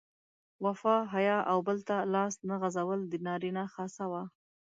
وفا، حیا او بل ته لاس نه غځول د نارینه خاصه وه.